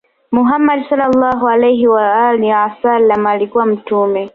Muhammad Swalla Allaahu alayhi wa aalihi wa sallam aliyekuwa mtume